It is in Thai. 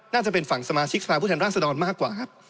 น่าจะเป็นฝั่งสมาชิกสภาพผู้แทนราชดรมากกว่าครับ